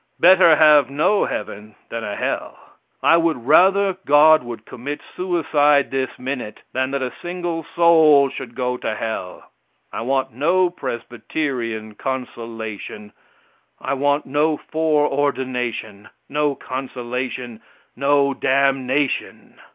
Better have no heaven than a hell. I would rather God would commit suicide this minute than that a single soul should go to hell. I want no Presbyterian consolation, I want no fore ordination, no consolation, no damnation.